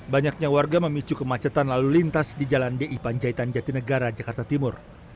banyaknya warga memicu kemacetan lalu lintas di jalan di panjaitan jatinegara jakarta timur